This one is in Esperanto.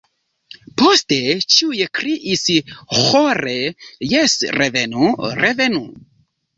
Poste ĉiuj kriis ĥore: “Jes, revenu, revenu.”